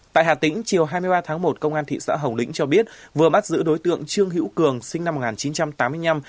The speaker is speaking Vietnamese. tại hà tĩnh chiều hai mươi ba tháng một công an thị xã hồng lĩnh cho biết vừa bắt giữ đối tượng trương hữu cường sinh năm một nghìn chín trăm tám mươi năm